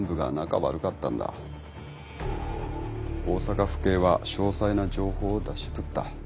大阪府警は詳細な情報を出し渋った。